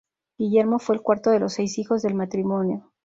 Guillermo fue el cuarto de los seis hijos del matrimonio.